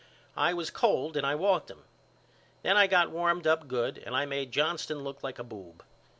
I was cold and I walked him. Then I got warmed up good and I made Johnston look like a boob.